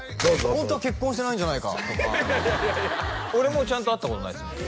ホントは結婚してないんじゃないかとか俺も会ったことないですもん